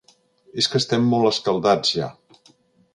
És que estem molt escaldats, ja.